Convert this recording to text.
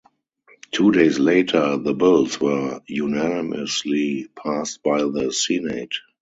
Two days later the Bills were unanimously passed by the Senate.